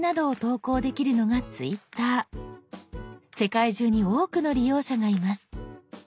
世界中に多くの利用者がいます。